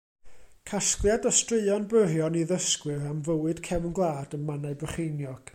Casgliad o straeon byrion i ddysgwyr am fywyd cefn gwlad ym Mannau Brycheiniog.